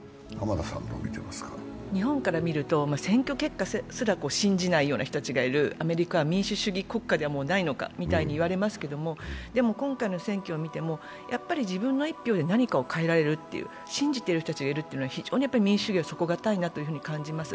日本から見ると選挙結果すら信じない人たちがいるアメリカは民主主義国家でもないのかみたいに言われますけど、でも今回の選挙を見てもやっぱり自分の一票で何かを変えられると信じている人たちがいるというのは民主主義は底堅いなと感じます。